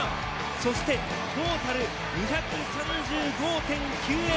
そしてトータル２３５．９０。